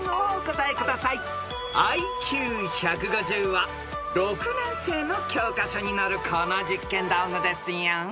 ［ＩＱ１５０は６年生の教科書に載るこの実験道具ですよ］